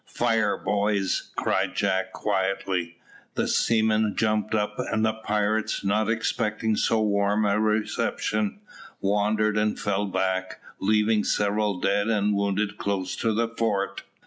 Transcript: "Fire, boys," cried Jack, quietly. The seamen jumped up, and the pirates, not expecting so warm a reception, wavered and fell back, leaving several dead and wounded close to the fort.